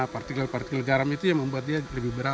partikel partikel garam itu yang membuat dia jauh lebih ringan